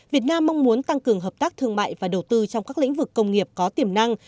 việt nam mong muốn tăng cường hợp tác thương mại và đầu tư trong các lĩnh vực công nghiệp có tiềm năng